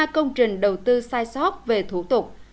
hai mươi ba công trình đầu tư sai sót về thủ tục